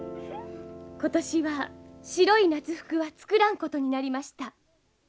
今年は白い夏服は作らんことになりました。